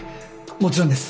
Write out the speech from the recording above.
もちろんです。